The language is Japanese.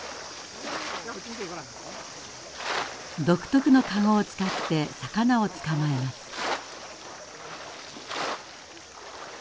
独特のかごを使って魚を捕まえます。